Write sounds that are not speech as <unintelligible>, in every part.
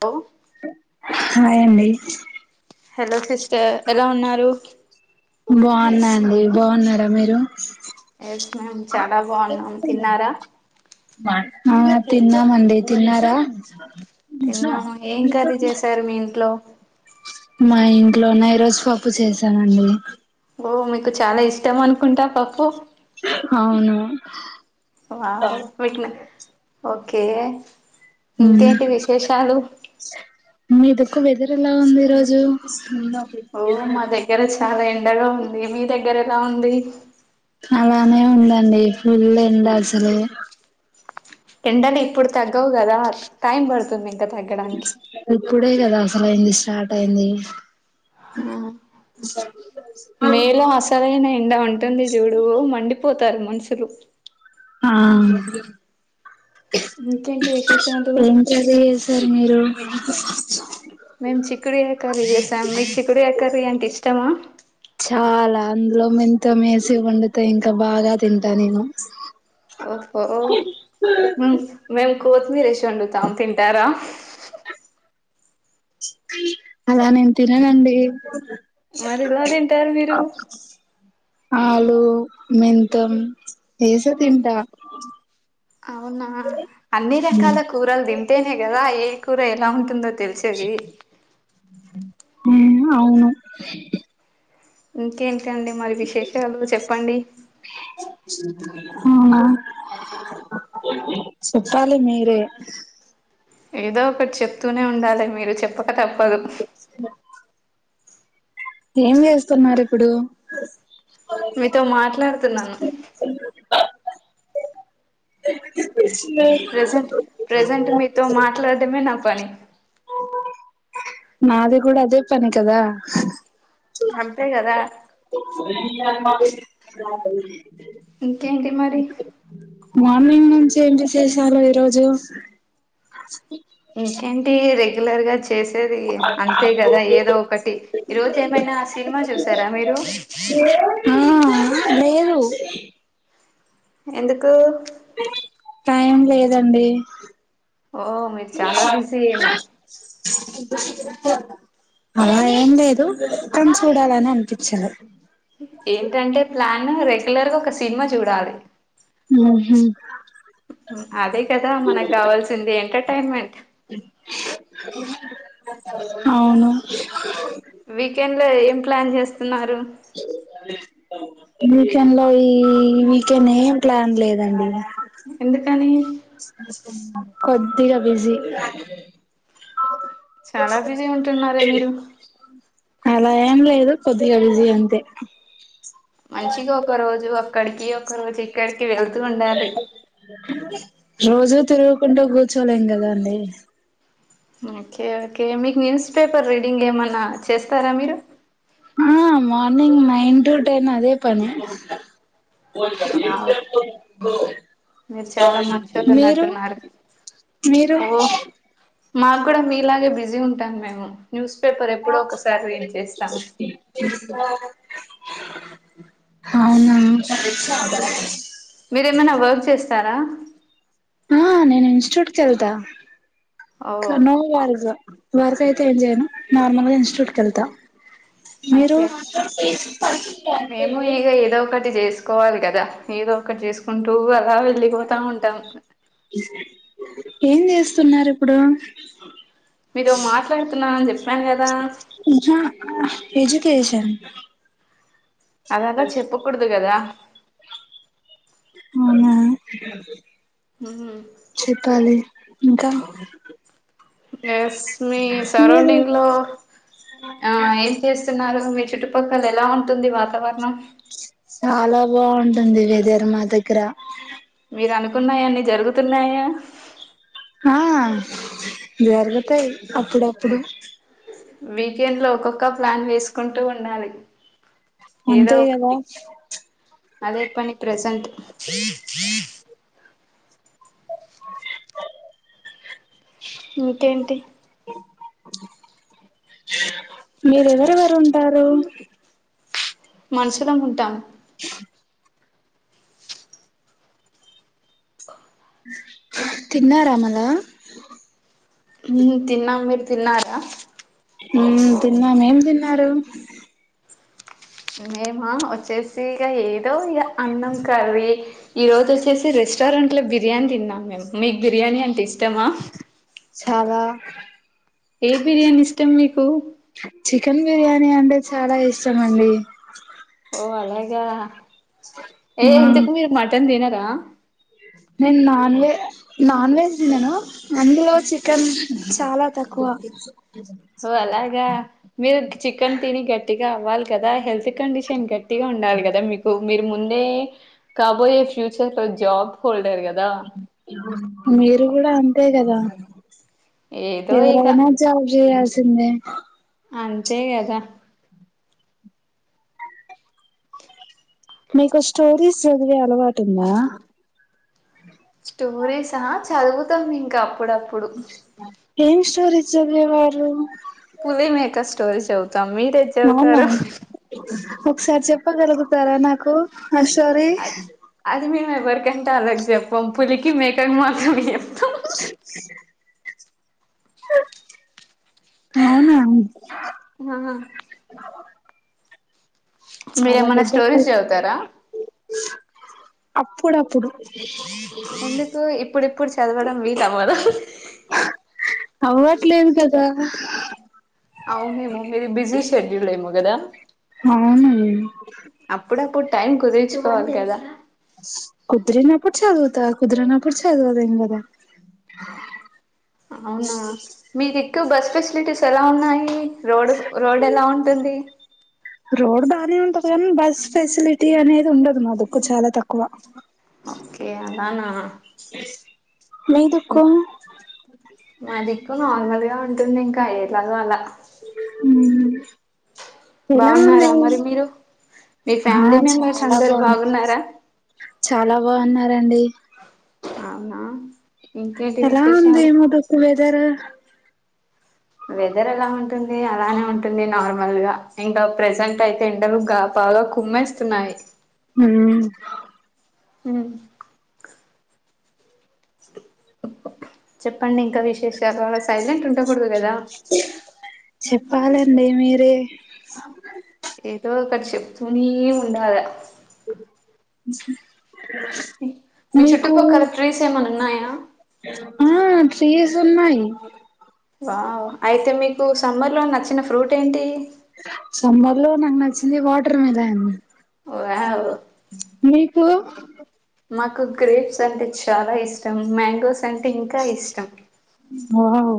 లో హాయండి hello sister ఎలా ఉన్నారు బాగున్నండి బాగున్నారా మీరు ఎస్ మ్యామ్ చాలా బాగున్నాం తిన్నారా తిందామండి తిన్నారా తిన్నాము ఏం కర్రీ చేసారు మీ ఇంట్లో మా ఇంట్లోనే ఈరోజు పప్పు చేసానండి ఓ మీకు చాలా ఇష్టం అనుకుంటా పప్పు అవును వావ్ మీక్ న ఓకే ఓకే ఇంకేంటి విశేషాలు ఇ వెదర్ ఎలా ఉంది ఈ రోజు ఓ మా దగ్గర చాలా ఏంటి ఎండగా ఉంది మీ దగ్గర ఎలా ఉంది అలానే ఉందండి ఫుల్ ఎండ అసలే ఎండలు ఇప్పుడు తగ్గవు కదా టైం పడుతుంది గ తగ్గడానికి ఇప్పుడే కదా అసలు అయింది స్టార్ట్ అయింది మేలో అసలైన ఎండ ఉంటుంది చూడువు మండిపోతారు మనుష చలు ఆ ఇంకేంటి విశేషాలు ఏంటి కర్రి చేసార్ మీరు మేము చిక్కుడుకాయ త్తమ చాలా అందులో మెంతం ఏసి వండుతే ఇంకా బాగా తింటా నేను. ఓహో ఊ మేమ్ కోత్మీర్ ఏష్ వండుతామ్ తింటారా. అలా నేన్ తిననండి. మరెలా తింటారు మీరు. ఆలూ, మెంతం ఏసే తింటా అవునా! అన్ని రకాల కూరల్ తింటేనే గదా ఏ ఏ కూర ఎలా ఉంటుందో తెలిసేది. <unintelligible> అవును ఇంకేంట్ టండి మరి విశేషాలు చెప్పండి. అవునా చెప్పాలి మీరే ఏదో ఒకటి చెప్తూనే ఉండాలి మీరు చెప్ ప్పక తప్పదు ఏం చేస్తున్నారు ఇప్పుడూ మీతో మాట్లాడుతున్నాను. ప్రజెంట్, ప్రజెంట్ మీతో మాట్లాడడమే నా పని. నాదే గూడా అదే పని కదా. అంతే గదా మా ఇంకేంటి మరి మార్నింగ్ నుంచి ఏంచి చేసారు ఈరోజు ఇంకేంటి <unintelligible> చేసేది అంతే గదా ఏదో ఒకటి. ఈ రోజు ఏమైనా సినిమా చూసారా మీరు. లేరు ఎందుకూ టైం లేదండి. ఓ మీరు చాలా బిజీ ఏమో. అలా ఏం లేదు. కాని చూడాలని అనిపిచ్చింది. ఏంటంటే ప్లాన్ నా రెగ్యులర్ గా ఒక సిన్మా చూడాలి. ఊహు అదే కదా మనక్ గావాల్సింది ఎంటర్టైన్మెంట్. అవును వీకెండ్ లో ఏం ప్లాన్ చేస్తున్నారు. వీకెండ్లో ఈ వీకెన్ ఏం ప్లాన్ లేదండి. ఎందుకని <unintelligible> కొద్దిగా బిజీ చాలా బిజీ ఉంటున్నారే మీరు అలా ఏం లేదు. కొద్దిగా బిజీ అంతే మంచిగా ఒక రోజు అ క్కడికి ఒక రోజ్ ఎక్కడిక్ వెళ్తూ ఉండాలి. రోజూ తిరుగుకుంటూ కూర్చోలేం కదా అండి. ఓకే ఓకే మీక్ న్యూన్స్ పేపర్ రీడింగ్ ఏమన్నా చేస్తారా మీరు. ఆ మార్నింగ్ నైన్ టూ టెన్ అదే పని. వావ్ మీరు చాలా మంచోళ్ళు మీరు ఉన్నట్టున్నారు మీరు ఓ మాకు కూడా మీలాగే బిజీ ఉంటాను మేము న్యూస్ పేపర్ ఎప్పుడో ఒకసారి రీడ్ చేస్తాను అవునా మీరేమైనా <unintelligible> వర్క్ చేస్తారా ఆ నేను ఇన్స్టిట్యూట్ కెల్తా ఓ <unintelligible> వర్క అయితే ఏం చేయ్యను. నార్మల్గా ఇన్స్టిట్యూట్ కెళ్తా మీరు ఓకే కోవాలి కదా ఏదో ఒకటి చేసుకుంటూ అలా వెళ్ళిపోతా ఉంటాం. ఏం చేస్తున్నారు ఇప్పుడు మీతో మాట్లాడుతున్నాని చెప్పాను కదా. ఎజ్యుకేషన్ అదంతా చెప్పకూడదు గదా అవునా హ్మ్ చెప్పాలి ఇంకా ఎస్ మీ మీరు సరౌండింగ్ లో ఆ ఏం చేస్ న్నారు మీ చుట్టుపక్కల ఎలా ఉంటుంది. వాతావరణం చాలా బావుంటుంది. వేదర్ మా దగ్గర మీరు అనుకున్నాయాన్నీ జరుగుతున్నాయా. ఆ జరుగుతాయి అప్పుడప్పుడు క ప్లాన్ వేసుకుంటూ ఉండాలి ఏదో అంతే కదా ఒకటి అదే పని ప్రెసెంట్ ఇంకేంటి మీరు ఎవరెవరున్ టారు మనుషులం ఉంటాం తిన్నారా మల ఉమ్మ్ తిన్నాం మీరు తిన్నారా ఉమ్మ్ తిన్నాం ఏం తిన్నారు మేమా వచ్చేసి ఇక ఏదో ఇగ అన్నం కర్రీ ఈ రోజు వచ్చేసి రెస్ స్టారంట్లో బిర్యానీ తిన్నాము మీకు బిర్యానీ అంటే ఇష్టమా చాలా ఏ బిర్యానీ ఇష్టం మీకు కెన్ బిర్యానీ అంటే చాలా ఇష్టమండి ఓ అలాగా ఏ మ్మ్ ఎందుకు మీరు మటన్ తిన టా నేను నాన్ వె నాన్ వెజ్ తినను అందులో చికెన్ చాలా తక్కువ హో అలాగా మీరు చికెన్ తిని గట్టిగా అవ్వాలి కదా హెల్త్ కండిషన్ గట్టిగా ఉండాలి కదా మీకు మీరు ముందే కాబోయే ఫ్యూచర్ లో జాబ్ హోల్డర్ గ మీరు కూడా అన్ తే గదా ఏదో ఇక ఎవరైనా జబ్ జెయ్యాల్స్ తుందే అంతే కదా మీకు స్టోరీస్ చదివే అలవాటుందా టోరీసా చదువుతం ఇన్ గప్ ప్పుడప్పుడు ఏం స్టోరీస్ చదివేవారు స్టోరీస్ చౌ తాం మీరేం అవునా చవుతారు ఒకసారి చెప్పగలుగుతారా నాకు ఆషోరీ అది అది మేము ఎవరికంటే వాళ్లకి చెప్పం పులికి మేకకి మాత్రం అవునా ఆ చాలా మీరేమైనా పెద్ద కథ స్టోరీస్ చదువుతారా అప్పుడప్పుడు ఎందుకు ఇప్పుడిప్పుడు చదవడం వీలవ్వదా అవ్వట్లేదు కదా అవునేమో మీరు బిజీ షెడ్యూల్ ఏమో కదా అవున అప్పుడప్పు టైం కుదిర్చుకోవాలి కదా కుదరనప్పుడు కుదిరినప్పుడు చదువుతా కుదరనప్పుడు చదవలేం కదా అవునా మీది మీకు బస్ ఫెసిలిటీస్ ఎలా ఉన్నాయి రోడ్ రోడ్ ఎలా ఉంటుంది రోడ్ బాగానే ఉంటది కానీ బస్ ఫెసిలిటీ అనేది ఉండదు మా దకు చాలా తక్కువ ఓకే అలాానా మీ దిక్కు <unintelligible> అలాగో అలాగా హు బాగున్నారా మరి మీరు మీ ఆ ఫ్యామిలీ మెంబర్స్ చాలా అందరు బాగుంది బాగున్నారా చాలా బాగున్నారంండి అవునా ఇంకేంటి ఎలా ఉంది విశేషాలు <unintelligible> జర వెదర్ ఎలా ఉంటుంది అలానే ఉంటుంది నార్మల్ గా ఇంకా ప్రజెంట్ అయితే ఎండలుగా బాగా కుమ్మేస్తున్నాయి ఉమ్ హ చెప్పండి ఇంకా విశేషాలు సైలెంట్ ఉండకూడదు కదా చెప్పాలండి మీరే ఏదో ఒక్కటి చెప్తూనే ఉండాలా అ మీ మీకు చుట్టుపక్కల ట్రీస్ ఏమైనా ఉన్నాయా ఆ ట్రీస్ ఉన్నాయి వావ్ అయితే మీకు సమ్మర్ లో నచ్చిన ఫ్రూట్ ఏంటి సంబర్ లో నాకు నచ్చింది వాటర్ మెలాన్ వావ్ మీకు మాకు గ్రేప్స్ అంటే చాలా ఇష్టం మ్యాంగోస్ అంటే ఇంకా ఇష్టం వావ్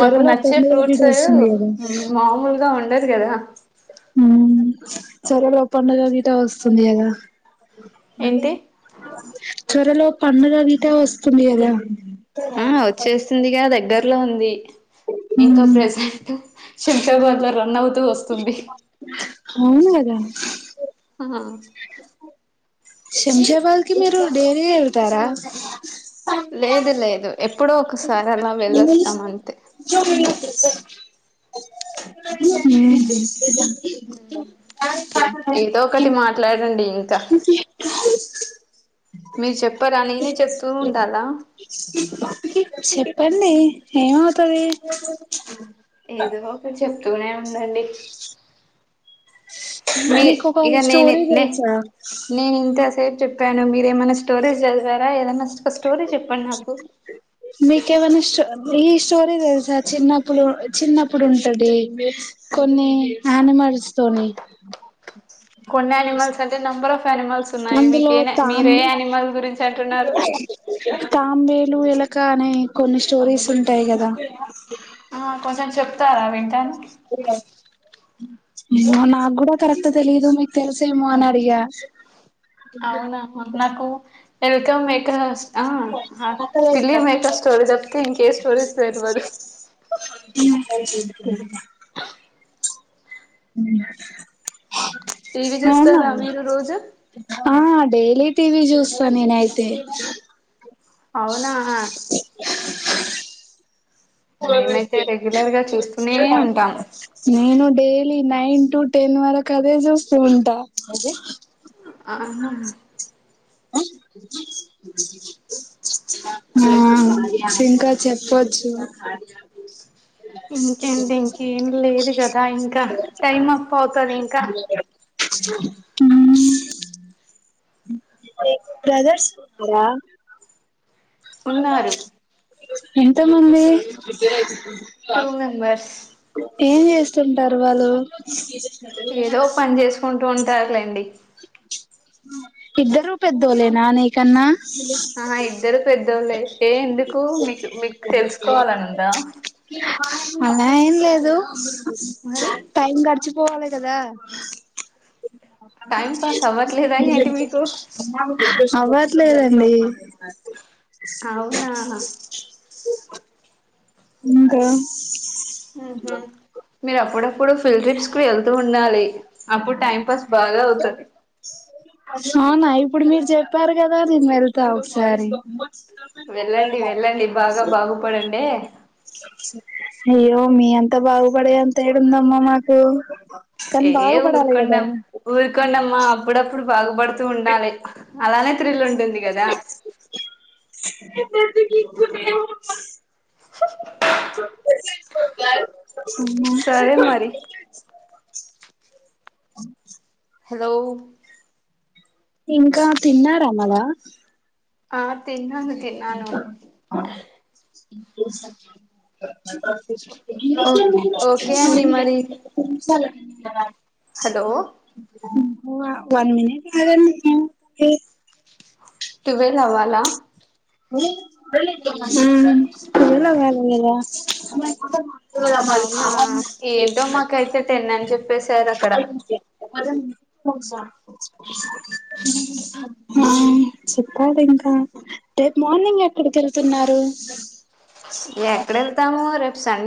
మాకు నచ్చే పండుగ గిట ఫ్రూట్స్ వస్తుంది కదా మామూలుగా ఉండదు కదా ఉమ్ సరేలే పండుగ గిట వస్తుంది కదా ఏంటి చర లో పండుగ గిటా వస్తుంది కదా ఆ వచ్చేస్తుందిగా దగ్గర ట్లో ఉంది ఇంక మ్మ్ ప్రెజెంట్ శంషాబాద్లో రన్ అవుతు వస్తుంది అవును గదా ఆ శంషాబాద్ కి మీరు డైలీ వెళ్తారా లేదు లేదు ఎ ఎప్పుడో ఒకసా <unintelligible> మ్మ్ ఏదో ఒకటి మాట్లాడండి ఇం క్క మీరు చెప్పరా నేనే చెప్తూ ఉండాలా చెప్పండి ఏమవుతుది ఏదో ఒక చెప్ <unintelligible> ఉందండి మీ మీకు ఒక ఇక నేను స్టోరీ నే తెలుసా నేను ఇంత సేపు చెప్పాను మీరేమన్నా స్టోరేజ చదివారా ఏద మ మీకేవనాష్ట ఈ స్టోరీ తెలుసా చిన్న ఇప్పుడు చిన్నప్పుడు ఉంటది కొన్ని హాన మరుస్తోని కొన్ని యానిమల్స్ అంటే నెంబర్ ఆఫ్ యానిమల్స్ ఉన్నాయి అందులో మీకే తాం మీరు ఏ యానిమల్ గురించి అంటున్నారు ఇలు ఎలక అనే కొన్ని స్టోరీస్ ఉంటాయి కదా ఆ కొంచెం చెప్తారా వింటను నాకు కూడా కరెక్ట్ తెలిదు మీకు తెలుసేమో అని అడిగా అవునా మంత నాకు వెల్కమ్ మేక్స్ ఆ పిల్లి మేకప్ స్టోరీ అప్త ఇంకే స్టోరీస్ర్బదు అ అ టీవీ అవన చూస్తారా మీరు రోజు హా డైలీ టీవీ చూస్తా నేనైతే అవునాహా మేమైతే రెగ్యులర్ గా చూస్తూనే ఉంటాం నేను డే నైన్ టు టెన్ వరకు అదే చూస్త ఉంటా ఆ హా ఆ ఇంకా చెప్పచ్చు ఇంకేంటి ఇంకేం లేదు కదా ఇంకా టైం అప్పు అవుతు హమ్ బ్రదర్స్ ఉన్నారా ఉన్నారు ఎంత మంది టూ మెంబర్స్ ఏం చేస్తుంటారు వాళ్ళు ఏదో పని చేసుకుంటూ ఉంటారులేండి ఇద్దర రూపయద్దోలేనా న కన్నా ఆ ఇద్దరు పెద్దోళ్ళ ఏ ఎందుకు మీకు మీకు తెలుసుకోవాలన్నందా అలా ఏం లేదు మరి టైమ్ గటిచ పోవాలి కదా టైం పాస్ అవ్వట్లేదా ఏంటి మీకు అవ్వట్లేదండి అవునా ఓ ఇంకా మీరుప్పుడ ఇప్పుడు ఫిల్డ్ ట్రిప్స్ కు వెళ్తూ ఉండాలి అప్పుడు టైం పాస్ బాగా అవుతది అవునా ఇప్పుడు మీరు చెప్పారు కదా నేను వెళ్తా ఒకసారి వెళ్ళండి వెళ్ళండి బాగా బాగుపడండే అయ్యో మీ అంత బాగుపడే అంత ఏడుందమ్మా మాకు కానీ ఏ బాగుపడాలి ఊరుకండ కదా ఊరుకోండమ్మా అప్పుడప్పుడు బాగుపడుతూ ఉండాలే అలానే థ్రిల్ ఉంటుంది కదా <inaudible> అ సరే మరి అ హలో ఇంకా తిన్నారామలా ఆ తిన్నాను తిన్నాను ఓకే ఓకే అండి <inaudible> మరి ఆ హలో వన్ మనిట్ <unintelligible> టువెల్ అవ్వాలా మీ ఉం టువెల్ అవ్వాలా గ దా స అవునా ఏంటో మాకై తే టెన్న అని చెప్ప పేసరక్కడ అ చెప్పాలి ఇంకా రేపు మార్నింగ్ ఎక్కడికి ఎళ్తున్నారు ఎక్కడెళ్తాము రెప్ సండే